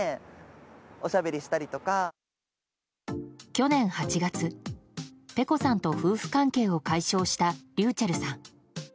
去年８月、ｐｅｃｏさんと夫婦関係を解消したｒｙｕｃｈｅｌｌさん。